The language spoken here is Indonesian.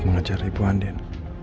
mengejar ibu andin